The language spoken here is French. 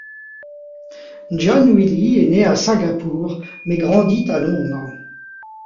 John Willie est né à Singapour mais grandit à Londres.